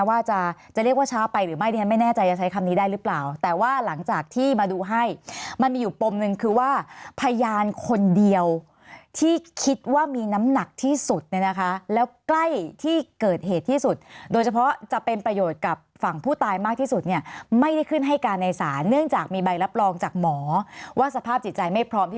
ว่าจะจะเรียกว่าช้าไปหรือไม่ดิฉันไม่แน่ใจจะใช้คำนี้ได้หรือเปล่าแต่ว่าหลังจากที่มาดูให้มันมีอยู่ปมหนึ่งคือว่าพยานคนเดียวที่คิดว่ามีน้ำหนักที่สุดเนี่ยนะคะแล้วใกล้ที่เกิดเหตุที่สุดโดยเฉพาะจะเป็นประโยชน์กับฝั่งผู้ตายมากที่สุดเนี่ยไม่ได้ขึ้นให้การในศาลเนื่องจากมีใบรับรองจากหมอว่าสภาพจิตใจไม่พร้อมที่